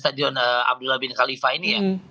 stadion abdullah bin khalifah ini ya